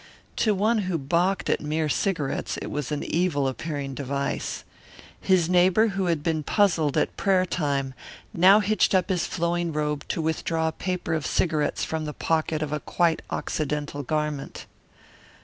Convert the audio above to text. To one who balked at mere cigarettes, it was an evil appearing device. His neighbour who had been puzzled at prayer time now hitched up his flowing robe to withdraw a paper of cigarettes from the pocket of a quite occidental garment.